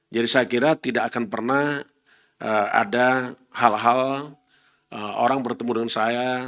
jadi saya kira tidak akan pernah ada hal hal orang bertemu dengan saya